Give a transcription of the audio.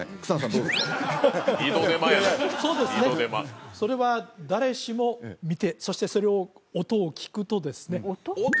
どう二度手間やそうですねそれは誰しも見てそしてそれを音を聞くとですね音？